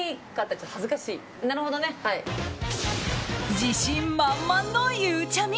自信満々のゆうちゃみ。